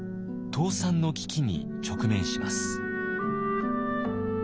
倒産の危機に直面します。